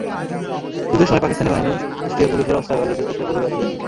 যুদ্ধের সময় পাকিস্তানি বাহিনী কুষ্টিয়া পুলিশের অস্ত্রাগার লুটের চেষ্টা করেও ব্যর্থ হয়েছিল।